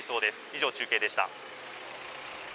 以上、中継でした。